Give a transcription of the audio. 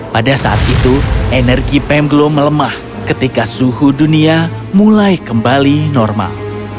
pada saat itu energi pemglo melemah ketika suhu dunia mulai kembali normal